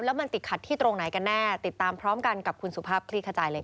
แล้วมันติดขัดที่ตรงไหนกันแน่ติดตามพร้อมกันกับคุณสุภาพคลี่ขจายเลยค่ะ